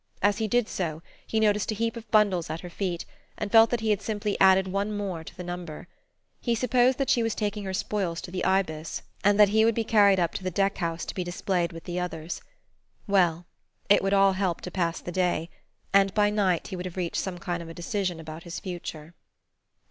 As he did so he noticed a heap of bundles at her feet, and felt that he had simply added one more to the number. He supposed that she was taking her spoils to the Ibis, and that he would be carried up to the deck house to be displayed with the others. Well, it would all help to pass the day and by night he would have reached some kind of a decision about his future.